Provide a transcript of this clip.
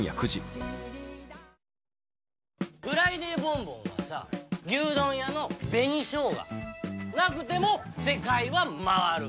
「フライデーボンボン」はさ牛丼屋の紅ショウガなくても世界は回る。